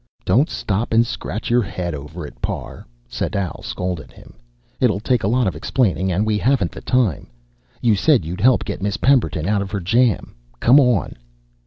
"Don't stop and scratch your head over it, Parr," Sadau scolded him. "It'll take a lot of explaining, and we haven't time. You said you'd help get Miss Pemberton out of her jam. Come on."